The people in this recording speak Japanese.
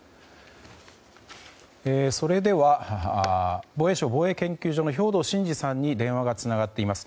それでは、防衛省防衛研究所の兵頭慎治さんに電話がつながっています。